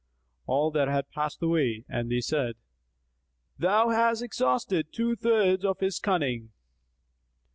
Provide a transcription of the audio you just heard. all that had passed and they said, "Thou hast exhausted two thirds of his cunning."